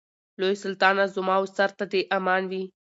لوی سلطانه زما و سر ته دي امان وي